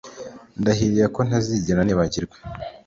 ndahiriye ko ntazigera nibagirwa